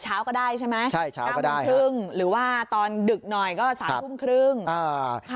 ช้าก็ได้ใช่ไหมครับ๙๓๐หรือว่าตอนดึกหน่อยก็๓๓๐ครึ่งครับ